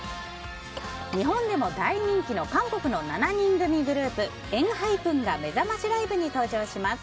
日本でも大人気の韓国の７人組グループＥＮＨＹＰＥＮがめざましライブに登場します。